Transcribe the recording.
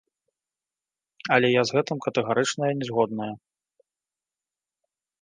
Але я з гэтым катэгарычная нязгодная.